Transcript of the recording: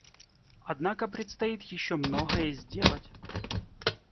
Однако предстоит еще многое сделать.